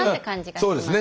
そうですね。